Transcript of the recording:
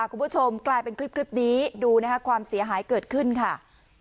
คุณผู้ชมกลายเป็นคลิปนี้ดูนะคะความเสียหายเกิดขึ้นค่ะ